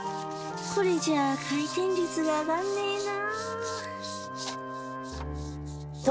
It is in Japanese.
これじゃあ回転率が上がんねえな。